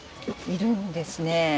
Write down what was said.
いるんですね。